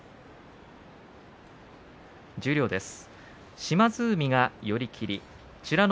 十両です。